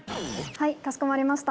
はいかしこまりました。